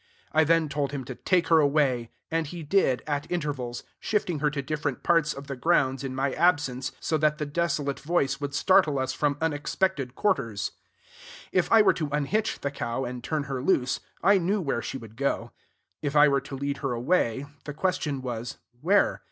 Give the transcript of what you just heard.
I then told him to take her away; and he did, at intervals, shifting her to different parts of the grounds in my absence, so that the desolate voice would startle us from unexpected quarters. If I were to unhitch the cow, and turn her loose, I knew where she would go. If I were to lead her away, the question was, Where?